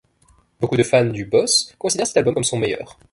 Beaucoup de fans du Boss considèrent cet album comme son meilleur.